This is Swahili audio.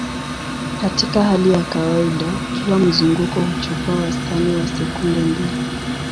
Katika hali ya kawaida, kila mzunguko huchukua wastani wa sekunde mbili.